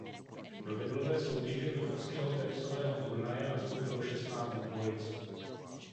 Do deblové soutěže mnichovského tenisového turnaje nastoupilo šestnáct dvojic.